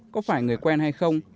có phải người quen hay không